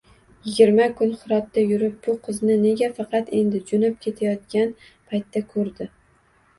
Yigirma kun Xirotda yurib, bu qizni nega faqat endi, joʻnab ketayotgan paytda koʻrdi?